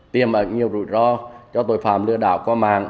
tiềm ẩn nhiều rủi ro cho tội phạm lừa đảo qua mạng